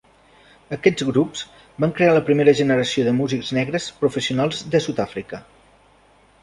Aquests grups van crear la primera generació de músics negres professionals de Sud-àfrica.